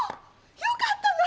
よかったな！